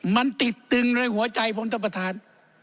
มันติดตึงในหัวใจผมท่านประธาน